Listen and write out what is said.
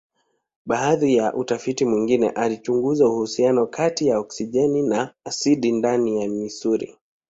Baadhi ya utafiti mwingine alichunguza uhusiano kati ya oksijeni na asidi ndani ya misuli.